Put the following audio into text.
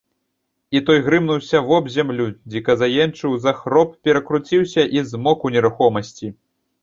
І той грымнуўся вобземлю, дзіка заенчыў, захроп, перакруціўся і змоўк у нерухомасці.